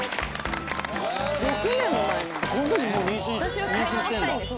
「私は買い物したいんです。